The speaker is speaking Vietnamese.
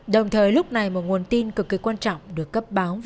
đồng thời lúc này một nguồn tin cực kỳ quan trọng là